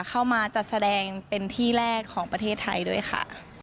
เข้ามาจัดแสดงเป็นที่แรกของประเทศไทยด้วยค่ะ